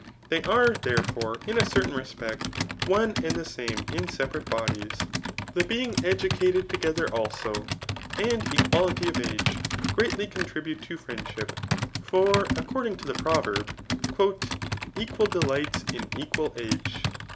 They are, therefore, in a certain respect, one and the same in separate bodies. The baag educated togedier also, and equality of age, greatly contxibote to friendship ; for [according to the proveits} ^ Equal delights in equal age.''